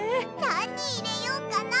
なにいれよっかな？